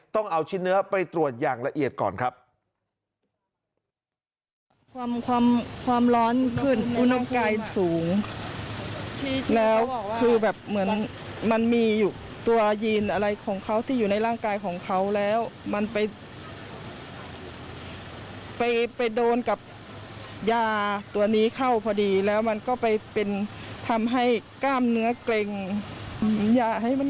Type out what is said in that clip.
ต้องเอาชิ้นเนื้อไปตรวจอย่างละเอียดก่อนครับ